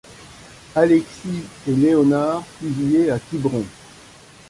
Alexis et Léonard fusillés à Quiberon.